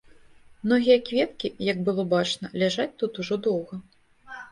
Многія кветкі, як было бачна, ляжаць тут ужо доўга.